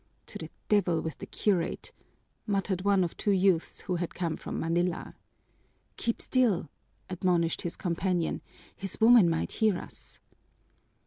"To the devil with the curate!" muttered one of two youths who had come from Manila. "Keep still!" admonished his companion. "His woman might hear us."